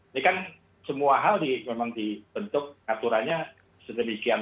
sementara semua hal memang dibentuk aturannya sedemikian